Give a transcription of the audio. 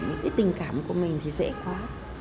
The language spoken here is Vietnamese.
những cái tình cảm của mình thì dễ quá